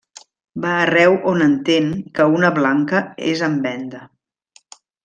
Va arreu on entén que una blanca és en venda.